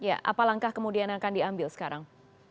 ya apa langkah kemudian yang akan diambil sekarang